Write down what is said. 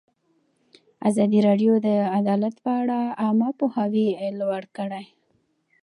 ازادي راډیو د عدالت لپاره عامه پوهاوي لوړ کړی.